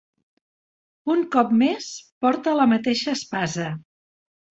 Un cop més, porta la mateixa espasa.